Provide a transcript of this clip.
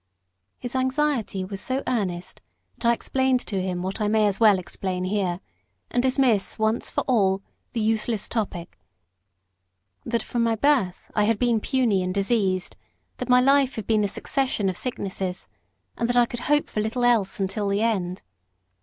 His anxiety was so earnest, that I explained to him what I may as well explain here, and dismiss, once for all; the useless topic, that from my birth I had been puny and diseased; that my life had been a succession of sicknesses, and that I could hope for little else until the end.